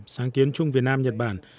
sáng kiến chung việt nam nhật bản